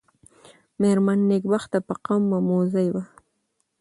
مېرمن نېکبخته په قوم مموزۍ وه.